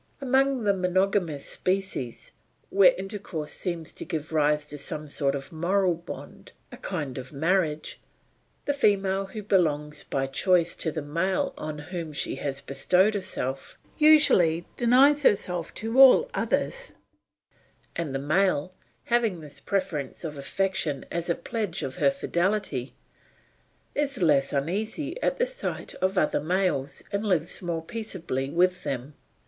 Among the monogamous species, where intercourse seems to give rise to some sort of moral bond, a kind of marriage, the female who belongs by choice to the male on whom she has bestowed herself usually denies herself to all others; and the male, having this preference of affection as a pledge of her fidelity, is less uneasy at the sight of other males and lives more peaceably with them.